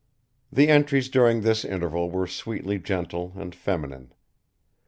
The entries during this interval were sweetly gentle and feminine.